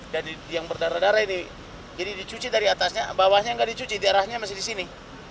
jadi yang berdarah darah ini jadi dicuci dari atasnya bawahnya nggak dicuci darahnya masih di sini